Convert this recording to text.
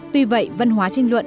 tuy vậy văn hóa tranh luận